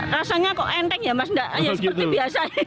rasanya kok enteng ya mas seperti biasa